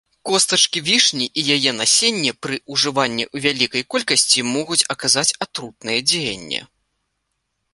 Костачкі вішні і яе насенне пры ўжыванні ў вялікай колькасці могуць аказаць атрутнае дзеянне.